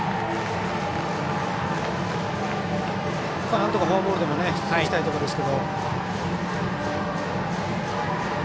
なんとかフォアボールでも出塁したいところですが。